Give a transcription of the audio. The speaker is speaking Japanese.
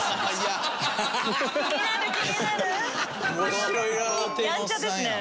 面白いな。